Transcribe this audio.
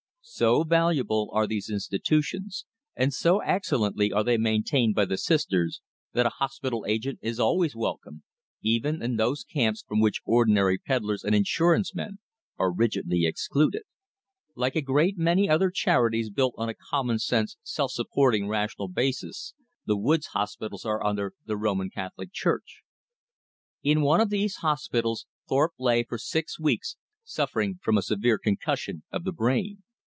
So valuable are these institutions, and so excellently are they maintained by the Sisters, that a hospital agent is always welcome, even in those camps from which ordinary peddlers and insurance men are rigidly excluded. Like a great many other charities built on a common sense self supporting rational basis, the woods hospitals are under the Roman Catholic Church. In one of these hospitals Thorpe lay for six weeks suffering from a severe concussion of the brain.